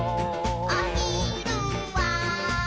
「おひるは」